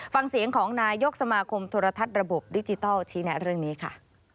ฟังเสียงของนายกสมาคมโทรทัศน์ระบบดิจิทัลชี้แนะเรื่องนี้ค่ะ